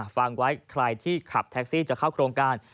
ฟังไว้ใครที่ขับแท็กซี่จะเข้าโครงการ